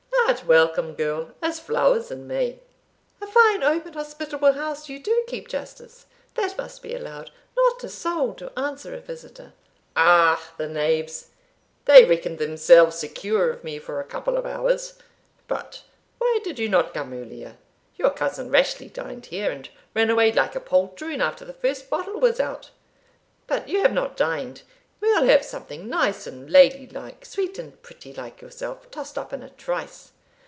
Art welcome, girl, as flowers in May." "A fine, open, hospitable house you do keep, Justice, that must be allowed not a soul to answer a visitor." "Ah, the knaves! they reckoned themselves secure of me for a couple of hours But why did you not come earlier? Your cousin Rashleigh dined here, and ran away like a poltroon after the first bottle was out But you have not dined we'll have something nice and ladylike sweet and pretty like yourself, tossed up in a trice."